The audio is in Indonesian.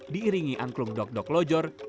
diiringi angklung dok dok lojor